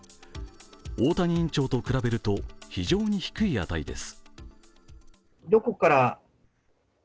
大谷院長と比べると非常に低い値です。